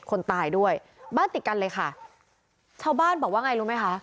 คนตายด้วยบ้านติดกันเลยค่ะชาวบ้านบอกว่าไงรู้ไหมคะ